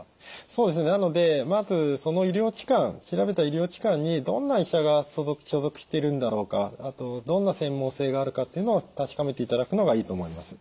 そうですねなのでまずその調べた医療機関にどんな医者が所属しているんだろうかあとどんな専門性があるかっていうのを確かめていただくのがいいと思います。